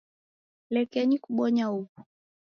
Lekenyi kubonya huw'o.